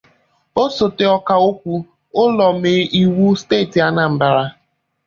osote Ọkaokwu ụlọomeiwu steeti Anambra